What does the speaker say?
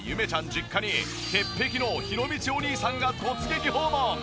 実家に潔癖のひろみちお兄さんが突撃訪問。